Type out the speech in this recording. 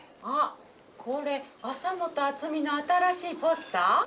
あっこれ浅元あつみの新しいポスター？